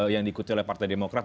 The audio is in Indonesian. yang diikuti oleh partai demokrat